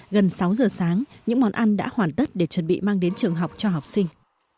gần sáu giờ sáng những món ăn đã hoàn tất để chuẩn bị mang đến trường học cho học sinh